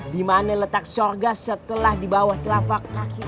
dimana letak sorga setelah dibawah telapak kaki ibu